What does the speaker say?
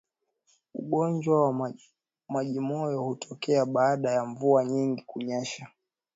Ugonjwa wa majimoyo hutokea baada ya mvua nyingi kunyesha